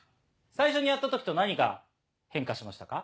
最初にやった時と何か変化しましたか？